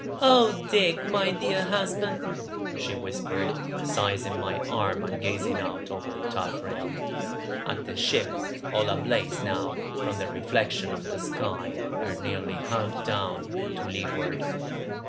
"Oh Dick, my dear husband," she whispered, seizing my arm and gazing out over the taffrail at the ship, all ablaze now from the reflection of the sky, and nearly hull down to leeward.